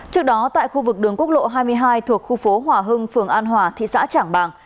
trước đó tại khu vực đường quốc lộ hai mươi hai thuộc khu phố hòa hưng phường an hòa thị xã trảng bàng